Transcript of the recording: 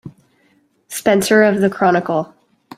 Spencer of the Chronicle.